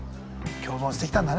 共存してきたんだね